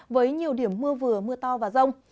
với nhiều điểm mưa vừa mưa to và rông